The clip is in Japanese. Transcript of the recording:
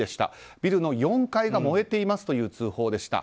ビルの４階が燃えていますという通報でした。